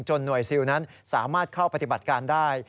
หน่วยซิลนั้นสามารถเข้าปฏิบัติการได้